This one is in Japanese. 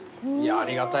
ありがたい。